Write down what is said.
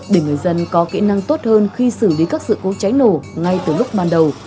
để người dân có kỹ năng tốt hơn khi xử lý các sự cố cháy nổ ngay từ lúc ban đầu